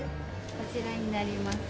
こちらになります。